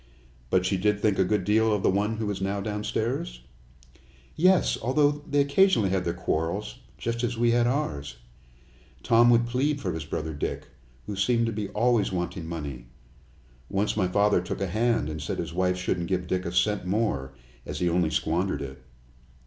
"But she did think a good deal of the one who is now downstairs?" "Yes, although they occasionally had their quarrels, just as we had ours. Tom would plead for his brother Dick, who seemed to be always wanting money. Once my father took a hand and said his wife shouldn't give Dick a cent more, as he only squandered it.